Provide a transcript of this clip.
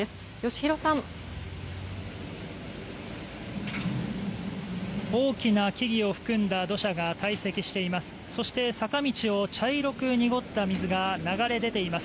大きな木々を含んだ土砂が堆積しています。